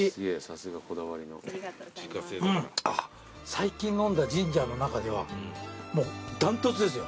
最近飲んだジンジャーの中ではもうダントツですよ。